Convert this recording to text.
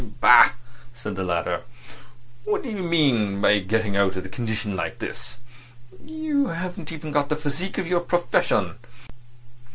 "Bah!" said that latter. "What do you mean by getting out of condition like this? You haven't got even the physique of your profession.